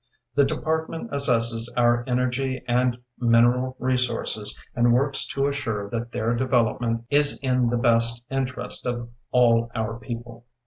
The Department assesses our energy and mineral resources and works to assure that their development is in the best interest of all our people.